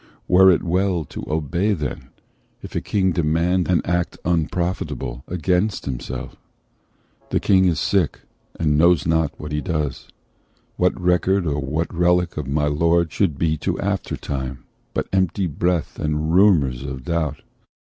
Were it well to obey then, if a king demand An act unprofitable, against himself? The King is sick, and knows not what he does. What record, or what relic of my lord Should be to aftertime, but empty breath And rumours of a doubt?